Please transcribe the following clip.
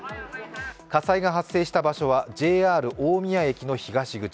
火災が発生した場所はＪＲ大宮駅前の東口。